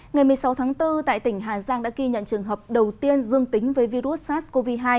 ngày một mươi sáu tháng bốn tại tỉnh hà giang đã ghi nhận trường hợp đầu tiên dương tính với virus sars cov hai